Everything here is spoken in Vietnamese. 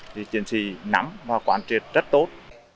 thì chiến sĩ nắm và quản trị rất tốt